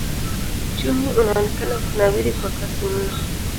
Uchumi unaonekana kunawiri kwa kasi mno.